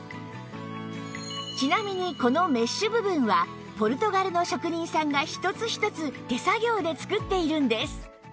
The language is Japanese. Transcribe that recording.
ちなみにこのメッシュ部分はポルトガルの職人さんが一つ一つ手作業で作っているんです